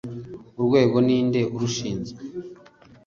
urwego ni nde urushinzwe?